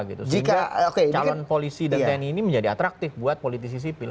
sehingga calon polisi dan tni ini menjadi atraktif buat politisi sipil